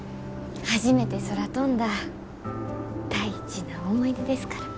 初めて空飛んだ大事な思い出ですから。